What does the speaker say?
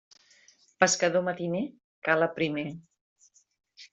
Pescador matiner cala primer.